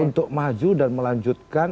untuk maju dan melanjutkan